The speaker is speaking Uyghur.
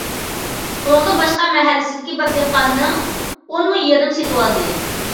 ئۇنىڭدىن باشقا مەھەللىسىدىكى بىر دېھقاننىڭ ئون مو يېرىنىمۇ سېتىۋالدى.